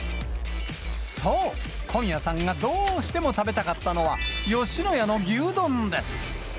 そう、小宮さんがどうしても食べたかったのは、吉野家の牛丼です。